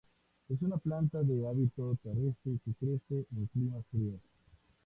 Es una planta de hábito terrestre que crece en climas fríos.